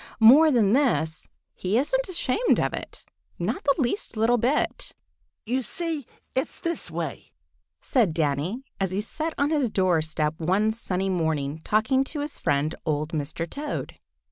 More than this, he isn't ashamed of it—not the least little bit. "You see, it's this way," said Danny, as he sat on his door step one sunny morning talking to his friend, old Mr. Toad.